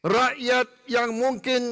rakyat yang mungkin